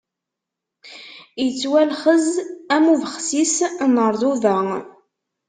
Ittwalxez am ubexsis n ṛṛḍuba.